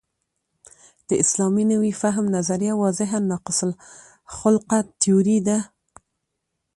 د اسلامي نوي فهم نظریه واضحاً ناقص الخلقه تیوري ده.